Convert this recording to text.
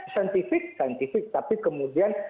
saintifik saintifik tapi kemudian